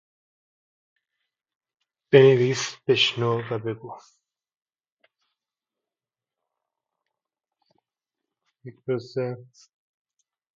چنبر مینا